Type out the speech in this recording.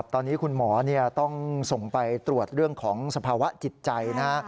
ตอนนี้คุณหมอต้องส่งไปตรวจเรื่องของสภาวะจิตใจนะฮะ